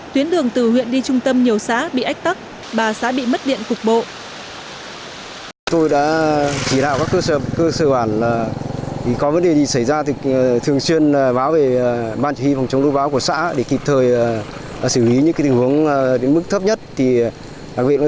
tuyến đường từ huyện đi trung tâm nhiều xã bị ách tắc ba xã bị mất điện cục bộ